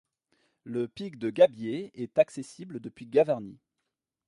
Le pic de Gabiet est accessible depuis Gavarnie.